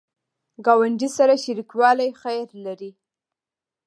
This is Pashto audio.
ګاونډي سره شریکوالی خیر لري